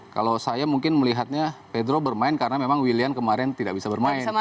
kalau saya mungkin melihatnya pedro bermain karena memang william kemarin tidak bisa bermain